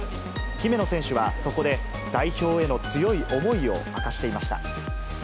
姫野選手はそこで、代表への強い思いを明かしていました。